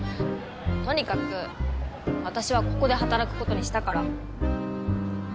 とにかく私はここで働くことにしたから。